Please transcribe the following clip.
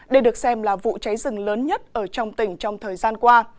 đây được xem là vụ cháy rừng lớn nhất ở trong tỉnh trong thời gian qua